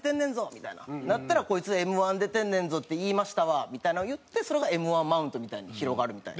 みたいななったら「こいつ“Ｍ−１出てんねんぞ”って言いましたわ」みたいなのを言ってそれがＭ−１マウントみたいに広がるみたいな。